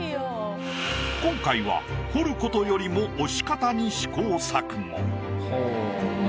今回は彫ることよりも押し方に試行錯誤。